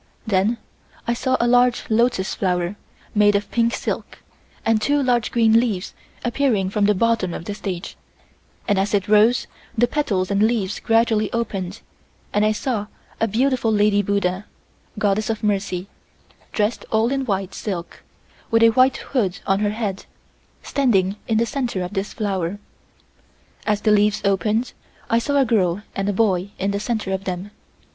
Then I saw a large lotus flower, made of pink silk, and two large green leaves appearing from the bottom of the stage, and as it rose the petals and leaves gradually opened and I saw a beautiful lady buddha (Goddess of Mercy) dressed all in white silk, with a white hood on her head, standing in the center of this flower. As the leaves opened I saw a girl and a boy in the center of them.